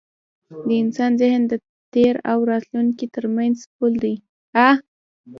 د انسان ذهن د تېر او راتلونکي تر منځ پُل دی.